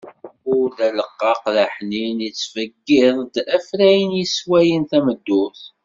Ul d aleqqaq,d aḥnin, yettfeggiḍ d afrayen yeswayen tameddurt.